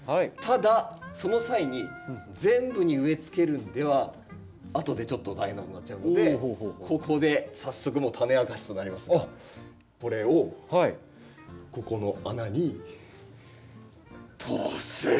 ただその際に全部に植えつけるのでは後でちょっと大変なことになっちゃうのでここで早速もう種明かしとなりますがこれをここの穴に通す。